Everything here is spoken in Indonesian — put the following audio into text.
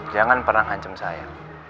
kamu kan pernah hancur saya